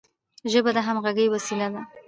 ژبه د همږغی وسیله ده.